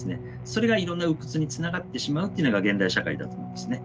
それがいろんな鬱屈につながってしまうっていうのが現代社会だと思うんですね。